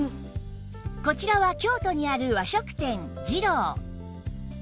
こちらは京都にある和食店次郎